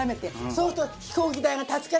そうすると。